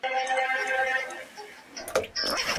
که شاګرد په وخت کار ونکړي نو څېړنه به وځنډېږي.